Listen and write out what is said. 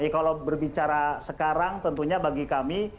kalau berbicara sekarang tentunya bagi kami